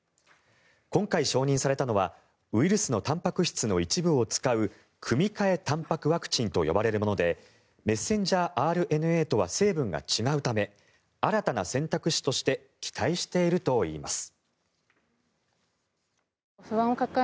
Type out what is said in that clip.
今回、承認されたのはウイルスのたんぱく質の一部を使う組み換えたんぱくワクチンと呼ばれるものでメッセンジャーＲＮＡとは成分が違うため新たな選択肢として期待しているといいます。